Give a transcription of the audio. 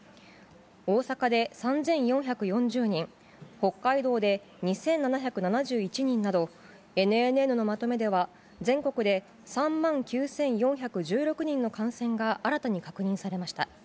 大阪で３４４０人、北海道で２７７１人など、ＮＮＮのまとめでは、全国で３万９４１６人の感染が新たに確認されました。